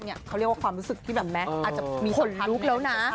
เขาเรียกว่าความรู้สึกที่แบบแม้อาจจะมีส่วนทางลุกแล้วนะ